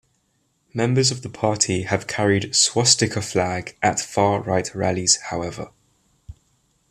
Members of the party have carried swastika flag at far right rallies however.